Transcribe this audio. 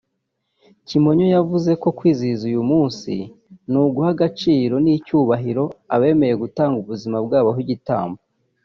Kimonyo yavuze ko kwizihiza uyu munsi ni uguha agaciro n’icyubahiro abemeye gutanga ubuzima bwabo ho igitambo